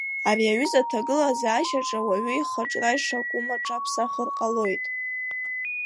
Ари аҩыза аҭагылазаашьаҿы ауаҩы ихаҿра ишакәым аҽаԥсахыр ҟалоит.